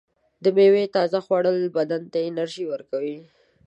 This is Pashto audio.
د میوو تازه خوړل بدن ته انرژي ورکوي.